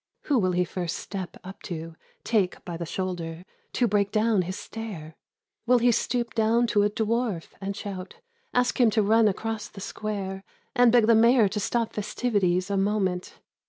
Who will he first step up to. Take by the shoulder, To break down his stare ? Will he stoop down to a dwarf and shout. Ask him to run across the square And beg the Mayor to stop festivities a moment